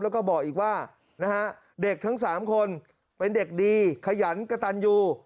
แล้วก็บอกอีกว่านะฮะเด็กทั้ง๓คนเป็นเด็กดีขยันกระตันยู